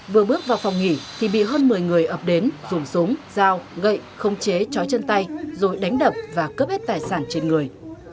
vừa bước vào phòng nghỉ thì bị hơn một mươi người ập đến dùng súng dao gậy không chế chói chân tay rồi đánh đập và cướp hết tài sản trên người